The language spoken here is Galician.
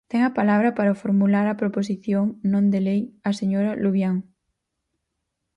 Ten a palabra, para formular a proposición non de lei, a señora Luvián.